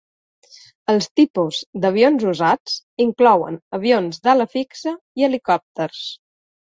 Els tipus d'avions usats inclouen avions d'ala fixa i helicòpters.